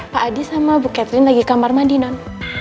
pak adi sama bu catherine lagi kamar mandi non